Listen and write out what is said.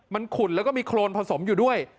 มันขุ่นแล้วก็มีโครนผสมอยู่ด้วย